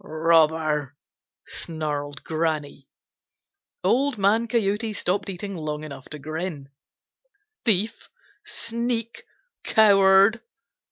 "Robber!" snarled Granny. Old Man Coyote stopped eating long enough to grin. "Thief! Sneak! Coward!"